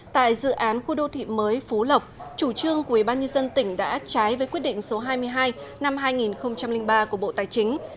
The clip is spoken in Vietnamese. tại dự án khu đô thị mới phú lộc chủ trương của ủy ban nhân dân tỉnh đã trái với quyết định số hai mươi hai năm hai nghìn ba của bộ tài chính